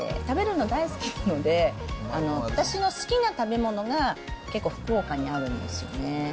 食べるの大好きなので、私の好きな食べ物が結構、福岡にあるんですよね。